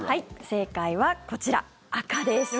正解はこちら、赤です。